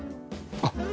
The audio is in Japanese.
あっ。